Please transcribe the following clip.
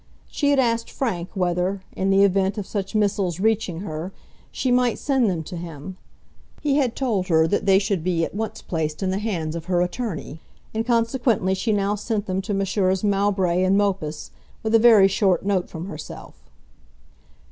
She had asked Frank whether, in the event of such missiles reaching her, she might send them to him. He had told her that they should be at once placed in the hands of her attorney; and consequently she now sent them to Messrs. Mowbray and Mopus, with a very short note from herself.